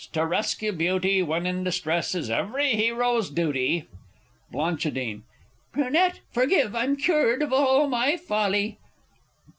To rescue Beauty, When in distress, is every hero's duty! Bl. Brunette, forgive I'm cured of all my folly!